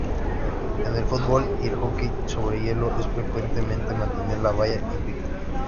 En el fútbol y el hockey sobre hielo, es frecuente mantener la valla invicta.